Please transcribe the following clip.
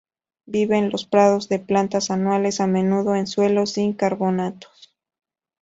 Vive en los prados de plantas anuales a menudo en suelos sin carbonatos.